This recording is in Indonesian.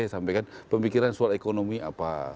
saya sampaikan pemikiran soal ekonomi apa